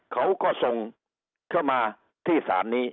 เขาก็ส่งเข้ามาที่ศาลนี้